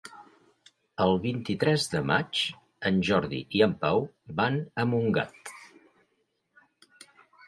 El vint-i-tres de maig en Jordi i en Pau van a Montgat.